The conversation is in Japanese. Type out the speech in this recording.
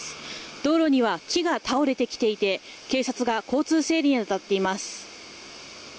道路には木が倒れてきていて警察が交通整理に当たっています。